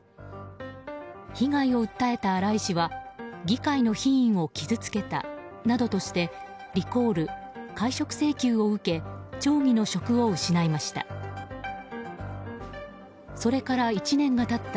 被害を訴えた新井氏は議会の品位を傷つけたなどとしてリコール・解職請求を受け町議の職を失いました。